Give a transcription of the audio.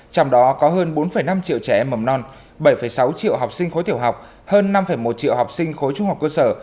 trong đó có hơn bốn năm triệu trẻ em mầm non bảy sáu triệu học sinh khối tiểu học hơn năm một triệu học sinh khối trung học cơ sở